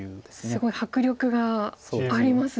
すごい迫力がありますね。